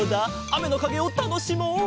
あめのかげをたのしもう。